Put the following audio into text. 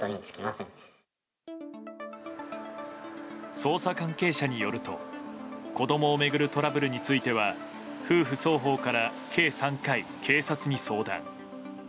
捜査関係者によると子供を巡るトラブルについては夫婦双方から計３回、警察に相談。